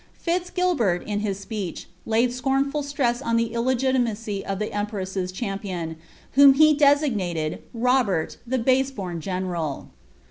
Fitz Gilberl, in hia speech, laid ecornibi flress on the illegitimacy of the emprees^ champion, whom he destg Dated, "Robert, the base born general."'